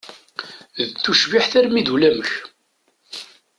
D tucbiḥt armi d ulamek!